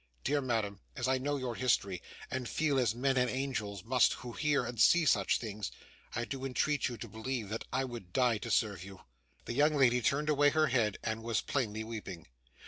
Dear madam, as I know your history, and feel as men and angels must who hear and see such things, I do entreat you to believe that I would die to serve you.' The young lady turned away her head, and was plainly weeping.